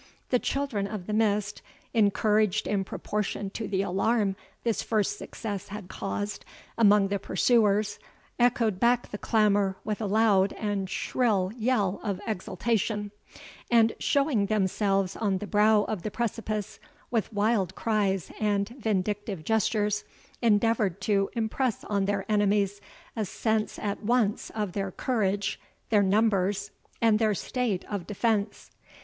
The Children of the Mist, encouraged in proportion to the alarm this first success had caused among the pursuers, echoed back the clamour with a loud and shrill yell of exultation, and, showing themselves on the brow of the precipice, with wild cries and vindictive gestures, endeavoured to impress on their enemies a sense at once of their courage, their numbers, and their state of defence.